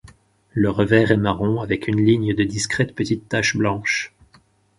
Le revers est marron avec une ligne de discrètes petites taches blanches.